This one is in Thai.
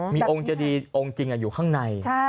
มีองค์เจดีองค์จริงอยู่ข้างใน